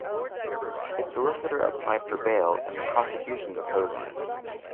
His solicitor applied for bail and the prosecution opposed it.